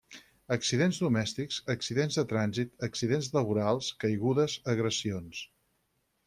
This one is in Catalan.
Accidents domèstics, accidents de trànsit, accidents laborals, caigudes, agressions.